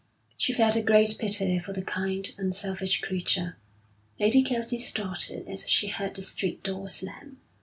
She felt a great pity for the kind, unselfish creature. Lady Kelsey started as she heard the street door slam.